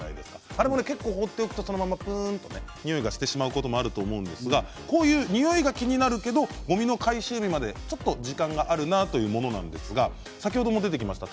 あれも結構、放っておくとにおいがしてきてしまうことがあると思うんですがこういうにおいが気になるけれどもごみの回収日までちょっと時間があるなというものなんですが先ほども出てきました